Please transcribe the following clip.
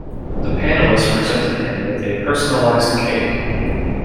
The panellists presented him with a personalised cake.